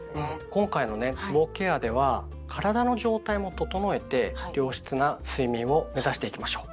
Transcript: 今回のねつぼケアでは体の状態も整えて良質な睡眠を目指していきましょう！